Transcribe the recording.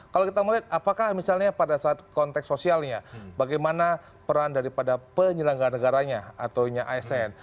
kalau kita melihat apakah misalnya pada saat konteks sosialnya bagaimana peran daripada penyelenggara negaranya ataunya asn